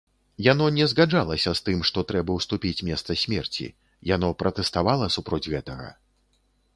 Яно не згаджалася з тым, што трэба ўступіць месца смерці, яно пратэставала супроць гэтага.